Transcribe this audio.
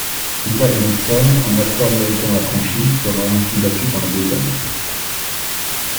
Isaac Dixon, un afro-américain affranchi sera ainsi battu par deux hommes.